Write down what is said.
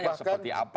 yang seperti apa